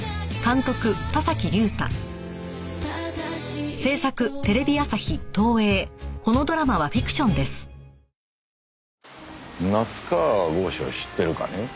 うん！夏河郷士を知ってるかね？